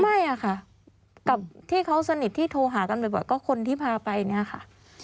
ไม่อะค่ะกับที่เขาสนิทที่โทรหากันบ่อยก็คนที่พาไปเนี่ยค่ะ